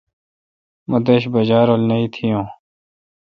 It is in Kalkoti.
مہ دݭ بجہ رول نہ اتھی یوں۔